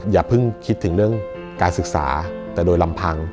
อย่าเพิ่งคิดถึงเรื่องการศึกษาแต่โดยลำพัง